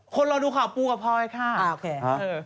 คนเราดูขาวปลูกกระเพาะไอ้ข้า